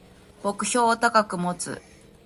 目標を高く持つ